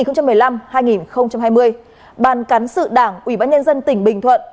cách nhiệm kỳ hai nghìn một mươi hai nghìn một mươi năm hai nghìn một mươi năm hai nghìn hai mươi ban cán sự đảng ubnd tỉnh bình thuận